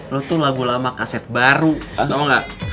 lo tuh lagu lama kaset baru tau nggak